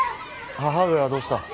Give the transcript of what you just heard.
母上はどうした？